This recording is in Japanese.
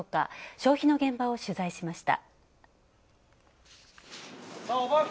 消費の現場を取材しました。